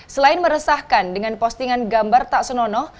selain meresahkan dengan postingan gambar tak senonoh